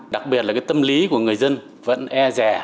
đặc biệt là cái tâm lý của người dân vẫn e rẻ